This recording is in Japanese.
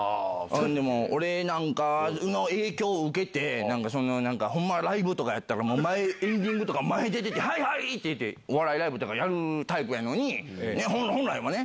でも俺なんかの影響を受けて、なんか、ほんまライブとかやったらもうエンディングとか、前出て、はいはいって言うて、お笑いライブとかやるタイプやのに、本来はね。